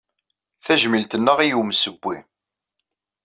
Tajmilt-nneɣ i yimsewwi.